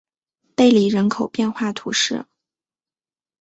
贝里人口变化图示